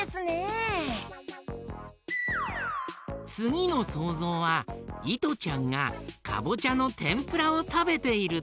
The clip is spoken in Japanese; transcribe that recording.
つぎのそうぞうはいとちゃんがかぼちゃのてんぷらをたべているところだよ。